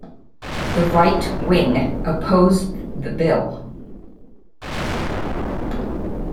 The Right-wing opposed the bill.